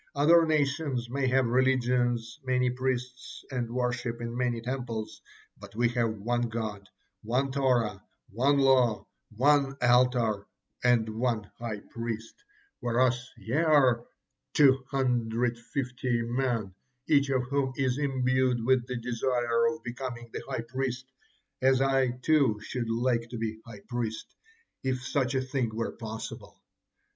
Other nations have many religions, many priests, and worship in many temples, but we have one God, one Torah, one law, one altar, and one high priest, whereas ye are two hundred fifty men, each of whom is imbued with the desire of becoming the high priest, as I too should like to be high priest, if such a thing were possible.